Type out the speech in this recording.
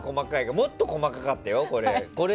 もっと細かかったよ。